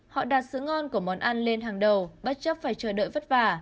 họ đặt sự ngon của món ăn lên hàng đầu bất chấp phải chờ đợi vất vả